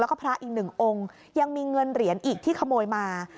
แล้วก็พระอีกหนึ่งองค์ยังมีเงินเหรียญอีกที่ขโมยมา